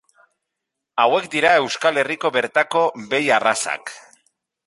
Hauek dira Euskal Herriko bertako behi arrazak.